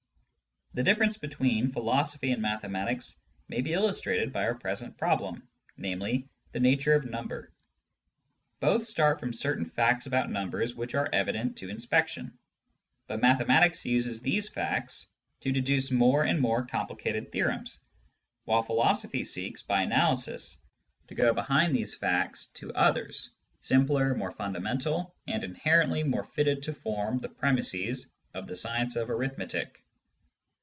The difference between philosophy and mathematics may be illustrated by our present problem, namely, the nature of number. Both start from certain facts about numbers which are evident to inspection. But mathe matics uses these facts to deduce more and more com plicated theorems, while philosophy seeks, by analysis, to go behind these facts to others, simpler, more fundamental, and inherently more fitted to form the premisses of the science of arithmetic.